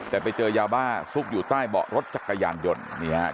แต่ไปเจอยาบ้าซุกอยู่ใต้เบาะรถจักรยานยนต์นี่ฮะ